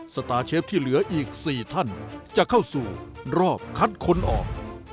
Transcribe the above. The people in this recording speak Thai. สตาร์เชฟที่เหลืออีก๔ท่านจะเข้าสู่รอบคัดคนออก